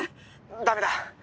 ☎ダメだ